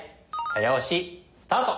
早押しスタート！